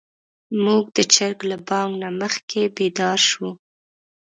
موږ د چرګ له بانګ نه مخکې بيدار شوو.